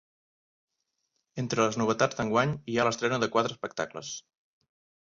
Entre les novetats d’enguany, hi ha l’estrena de quatre espectacles.